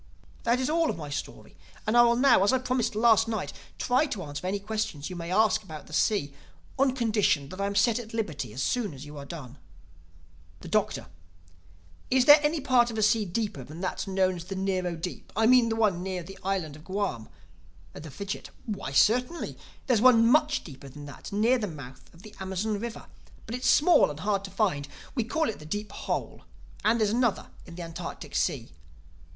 "That is all of my story and I will now, as I promised last night, try to answer any questions you may ask about the sea, on condition that I am set at liberty as soon as you have done." The Doctor: "Is there any part of the sea deeper than that known as the Nero Deep—I mean the one near the Island of Guam?" The Fidgit: "Why, certainly. There's one much deeper than that near the mouth of the Amazon River. But it's small and hard to find. We call it 'The Deep Hole.' And there's another in the Antarctic Sea."